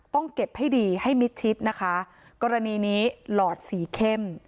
ต้องเก็บให้ดีให้มิดชิดนะคะกรณีนี้หลอดสีเข้ม